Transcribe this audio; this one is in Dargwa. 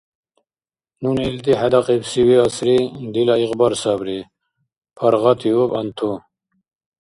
Нуни илди хӀедакьибси виасри, дила игъбар сабри, – паргъатиуб Анту.